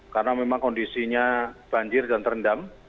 karena memang kondisinya banjir dan terendam